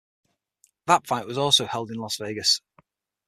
That fight was also held in Las Vegas.